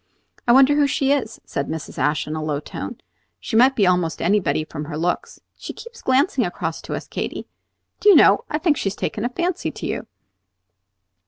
"I wonder who she is," said Mrs. Ashe in a low tone. "She might be almost anybody from her looks. She keeps glancing across to us, Katy. Do you know, I think she has taken a fancy to you."